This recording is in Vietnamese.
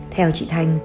theo chị thành